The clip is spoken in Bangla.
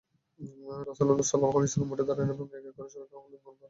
রাসূল সাল্লাল্লাহু আলাইহি ওয়াসাল্লাম উঠে দাঁড়ান এবং এক এক করে সবাইকে আলিঙ্গনাবদ্ধ করেন।